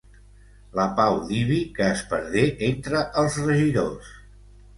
La pau d'Ibi, que es perdé entre els regidors.